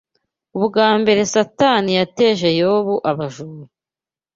Ubwa mbere Satani yateje Yobu abajura